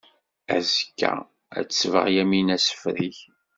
Azekka ad tesbeɣ Yamina asefreg.